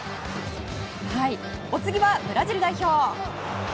お次はブラジル代表。